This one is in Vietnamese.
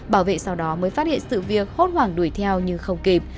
bảo vệ sau đó mới phát hiện sự việc hốt hoảng đuổi theo nhưng không kịp